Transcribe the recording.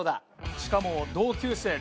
しかも同級生。